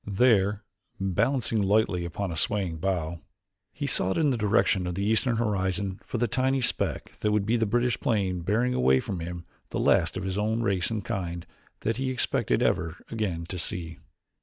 There, balancing lightly upon a swaying bough, he sought in the direction of the eastern horizon for the tiny speck that would be the British plane bearing away from him the last of his own race and kind that he expected ever again to see.